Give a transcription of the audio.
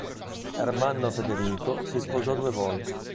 Ermanno Federico si sposò due volte.